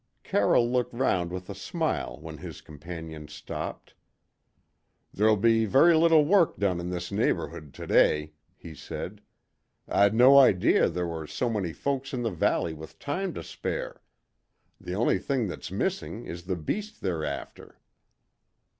Carroll looked round with a smile when his companions stopped. "There'll be very little work done in this neighbourhood to day," he said. "I'd no idea there were so many folks in the valley with time to spare. The only thing that's missing is the beast they're after."